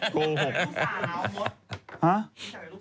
โกหก